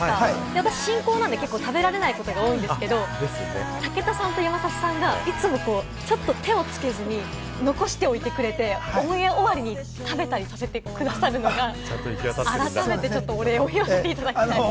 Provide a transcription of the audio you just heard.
私、進行なので結構食べられないことが多いんですけど、武田さんと山里さんがいつもちょっと手をつけずに残しておいてくれて、オンエア終わりに食べたりさせてくださるのが改めて、お礼を言わせていただきたいと。